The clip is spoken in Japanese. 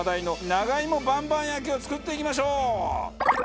長芋ばんばん焼きを作っていきましょう！